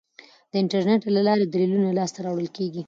د انټرنیټ له لارې دلیلونه لاسته راوړل کیږي.